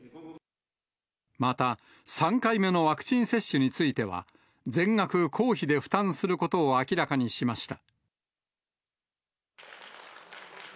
また、３回目のワクチン接種については、全額公費で負担することを明らかにしました。